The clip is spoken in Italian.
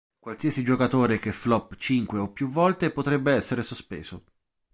Qualsiasi giocatore che flop cinque o più volte potrebbe essere sospeso.